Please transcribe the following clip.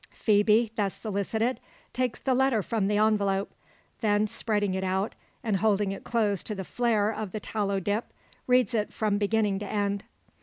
Phoebe, thus solicited, takes the letter from the envelope. Then spreading it out, and holding it close to the flare of the tallow dip, reads it from beginning to end.